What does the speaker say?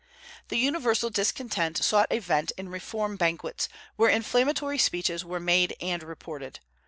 The universal discontent sought a vent in reform banquets, where inflammatory speeches were made and reported.